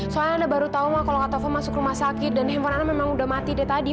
soalnya ana baru tau kalau kata pa masuk rumah sakit dan handphone ana memang udah mati dari tadi